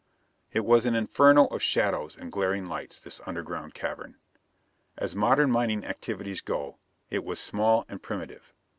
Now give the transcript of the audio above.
It was an inferno of shadows and glaring lights, this underground cavern. As modern mining activities go, it was small and primitive.